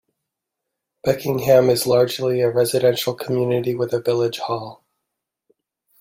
Beckingham is largely a residential community with a village hall.